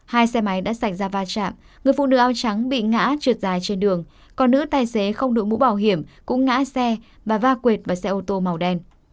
hai xe máy đã xảy ra va chạm người phụ nữ ao trắng bị ngã trượt dài trên đường còn nữ tài xế không đội mũ bảo hiểm cũng ngã xe và va quệt vào xe ô tô màu đen